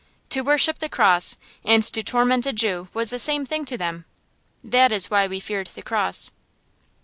To worship the cross and to torment a Jew was the same thing to them. That is why we feared the cross.